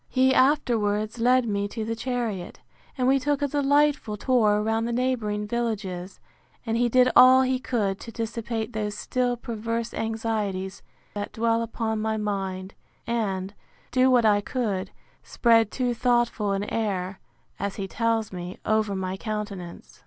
He afterwards led me to the chariot; and we took a delightful tour round the neighbouring villages; and he did all he could to dissipate those still perverse anxieties that dwell upon my mind, and, do what I can, spread too thoughtful an air, as he tells me, over my countenance.